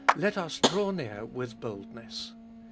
LET US DRAW NEAR WITH BOLDNESS.